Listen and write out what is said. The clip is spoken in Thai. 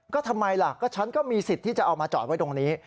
ก็ทำไมล่ะก็ฉันก็มีสิทธิ์ที่จะเอามาจอดไว้ตรงนี้